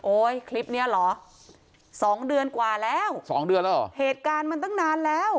คลิปเนี้ยเหรอสองเดือนกว่าแล้วสองเดือนแล้วเหรอเหตุการณ์มันตั้งนานแล้ว